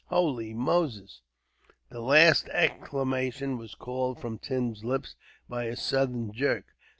"Holy Moses!" The last exclamation was called from Tim's lips by a sudden jerk.